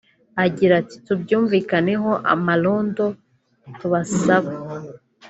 Agira ati “Tubyumvikaneho amarondo tubasaba